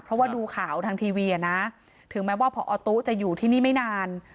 เพราะว่าดูข่าวทางทีวีอ่ะนะถึงแม้ว่าพอตู้จะอยู่ที่นี่ไม่นาน